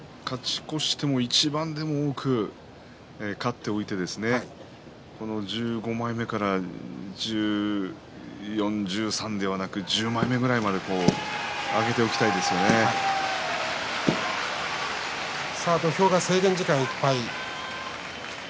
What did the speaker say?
勝ち越しても一番でも多く勝っておいて１５枚目から１０枚目ぐらいまでは土俵は制限時間いっぱいです。